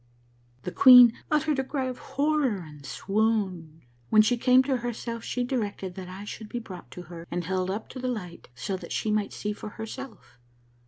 " The queen uttered a cry of horror and swooned. When she came to herself she directed that I should be brought to her and held up to the light so that she might see for herself.